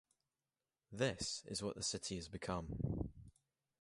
This is what the city has become.